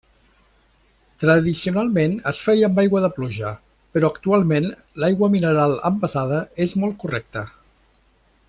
Tradicionalment es feia amb aigua de pluja però actualment l'aigua mineral envasada és molt correcte.